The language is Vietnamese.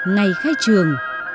ngày khai trường